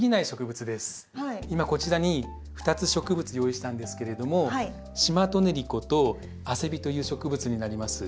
今こちらに２つ植物用意したんですけれどもシマトネリコとアセビという植物になります。